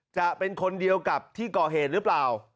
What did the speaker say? จะเป็นคนเดียวกับที่ก่อเหตุหรือเปล่า